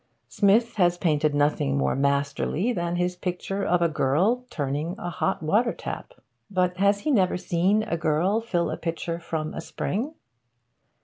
Smith has painted nothing more masterly than his picture of a girl turning a hot water tap. But has he never seen a girl fill a pitcher from a spring?